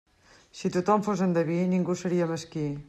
Si tothom fos endeví, ningú seria mesquí.